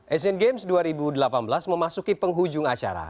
asian games dua ribu delapan belas memasuki penghujung acara